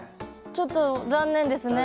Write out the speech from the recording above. ちょっと残念ですね